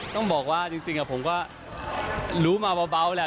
ต้องบอกว่าจริงผมก็รู้มาเบาแหละ